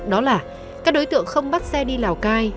đó là các đối tượng không bắt xe đi lào cai